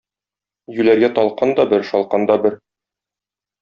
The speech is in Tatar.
Юләргә талкан да бер, шалкан да бер.